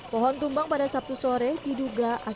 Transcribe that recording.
pohon tumbang pada sabtu sore diduga akibat